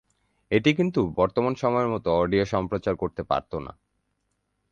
এটি কিন্তু বর্তমান সময়ের মত অডিও সম্প্রচার করতে পারত না।